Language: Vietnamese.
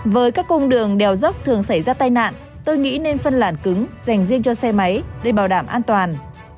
với các cung đường đèo dốc thường xảy ra tai nạn tôi nghĩ nên phân làn cứng dành riêng cho xe máy để bảo đảm an toàn